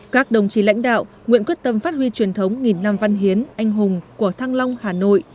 các đồng chí lãnh đạo nguyện quyết tâm phát huy truyền thống nghìn năm văn hiến anh hùng của thăng long hà nội